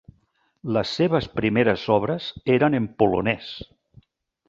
Les seves primeres obres eren en polonès.